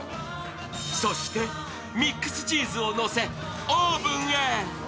そしてミックスチーズをのせオーブンへ。